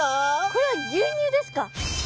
これは牛乳ですか？